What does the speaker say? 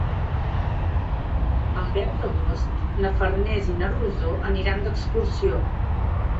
El deu d'agost na Farners i na Rosó aniran d'excursió.